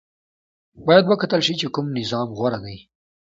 باید وکتل شي چې کوم نظام غوره دی.